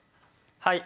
はい。